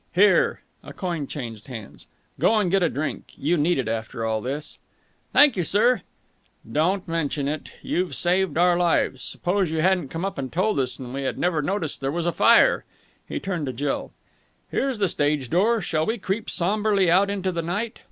"Here." A coin changed hands. "Go and get a drink. You need it after all this." "Thank you, sir." "Don't mention it. You've saved our lives. Suppose you hadn't come up and told us, and we had never noticed there was a fire!" He turned to Jill. "Here's the stage door. Shall we creep sombrely out into the night?"